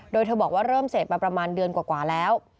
โดยเธอบอกว่าเริ่มเสพมาประมาณเดือนกว่าแล้ว